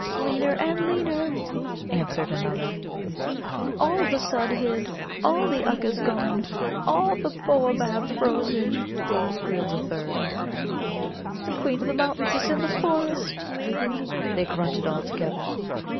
"Leaner and leaner," answered another. "All the Sudd hid, all the Ukkas gone, all the Bōōbab frozen!" squealed a third. "The Queen of the Mountains is in the Forest," they grunted all together.